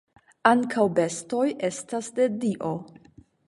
Ankaŭ bestoj estas de Dio.